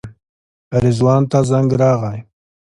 رضوان ته زنګ راغی.